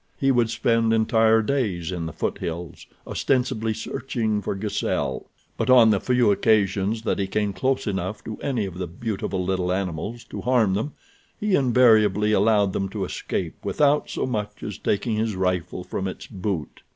He would spend entire days in the foothills, ostensibly searching for gazelle, but on the few occasions that he came close enough to any of the beautiful little animals to harm them he invariably allowed them to escape without so much as taking his rifle from its boot.